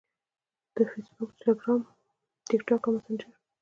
- Facebook، Telegram، TikTok او Messenger